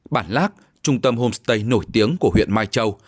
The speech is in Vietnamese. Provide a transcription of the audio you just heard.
bản lác trung tâm homestay nổi tiếng của huyện mai châu